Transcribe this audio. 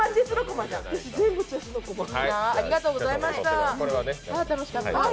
あ、楽しかった。